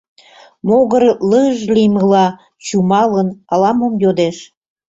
Могыр «лыж-ж» лиймыла чумалын, ала-мом йодеш.